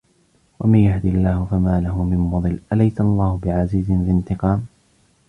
وَمَنْ يَهْدِ اللَّهُ فَمَا لَهُ مِنْ مُضِلٍّ أَلَيْسَ اللَّهُ بِعَزِيزٍ ذِي انْتِقَامٍ